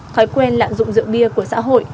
thói quen lạng dụng rượu bia của xã hội